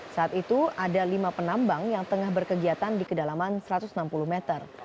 saat itu ada lima penambang yang tengah berkegiatan di kedalaman satu ratus enam puluh meter